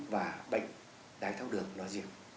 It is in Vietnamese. và bệnh đáy tu lường nói riêng